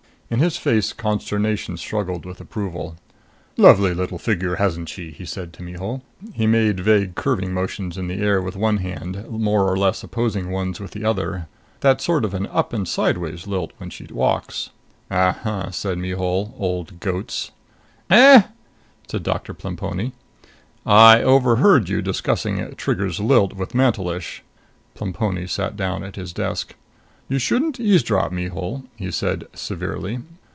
In his face consternation struggled with approval. "Lovely little figure, hasn't she?" he said to Mihul. He made vague curving motions in the air with one hand, more or less opposing ones with the other. "That sort of an up and sideways lilt when she walks." "Uh huh," said Mihul. "Old goats." "Eh?" said Doctor Plemponi. "I overheard you discussing Trigger's lilt with Mantelish." Plemponi sat down at his desk. "You shouldn't eavesdrop, Mihul," he said severely.